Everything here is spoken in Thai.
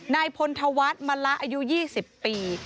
นายพลธวัฒน์มะละอายุ๒๐ปี